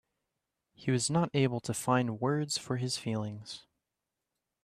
He was not able to find words for his feelings.